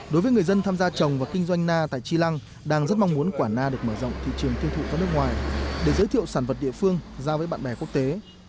đối với người dân tham gia trồng và kinh doanh na tại chi lăng đang rất mong muốn quả na được mở rộng thị trường tiêu thụ ra nước ngoài để giới thiệu sản vật địa phương ra với bạn bè quốc tế